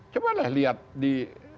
coba lihat di